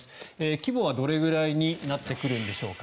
規模はどれくらいになってくるんでしょうか。